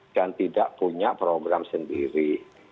dan tidak punya program sendiri